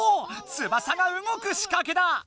翼が動くしかけだ！